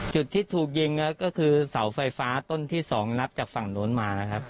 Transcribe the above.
จุดที่ถูกยิงก็คือเสาไฟฟ้าต้นที่๒นับจากฝั่งโน้นมานะครับ